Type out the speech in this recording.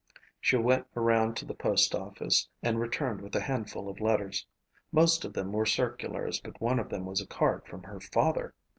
She went around to the postoffice and returned with a handful of letters. Most of them were circulars but one of them was a card from her father.